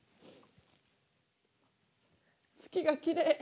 月がきれい。